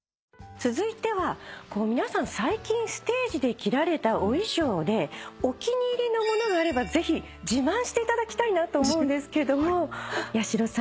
続いては皆さん最近ステージで着られたお衣装でお気に入りのものがあればぜひ自慢していただきたいなと思うんですけども八代さんいかがですか？